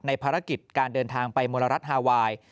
ภารกิจการเดินทางไปมลรัฐฮาไวน์